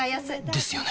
ですよね